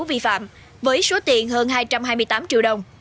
vi phạm với số tiền hơn hai trăm hai mươi tám triệu đồng